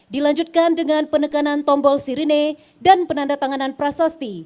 dilanjutkan dengan penekanan tombol sirine dan penanda tanganan prasasti